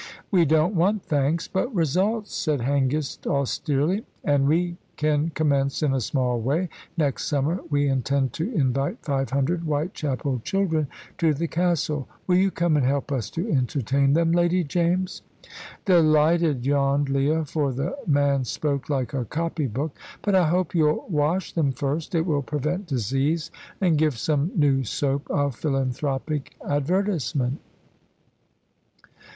"We don't want thanks, but results," said Hengist, austerely; "and we can commence in a small way. Next summer we intend to invite five hundred Whitechapel children to the Castle. Will you come and help us to entertain them, Lady James?" "Delighted," yawned Leah, for the man spoke like a copy book; "but I hope you'll wash them first. It will prevent disease, and give some new soap a philanthropic advertisement."